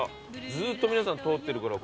ずーっと皆さん通ってるから。